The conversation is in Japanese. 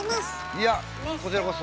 いやこちらこそ。